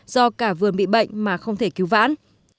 do cả vườn bị bệnh mà không thể cứu vãn